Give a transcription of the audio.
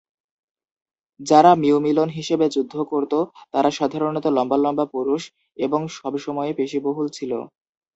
যারা মিউমিলোন হিসেবে যুদ্ধ করত তারা সাধারণত লম্বা লম্বা পুরুষ এবং সবসময় পেশীবহুল ছিল।